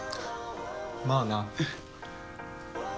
まあな。